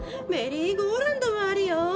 メリーゴーランドもあるよ！